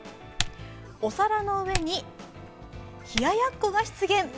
お皿の上に冷ややっこが出現。